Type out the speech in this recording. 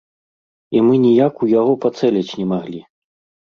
І мы ніяк ў яго пацэліць не маглі.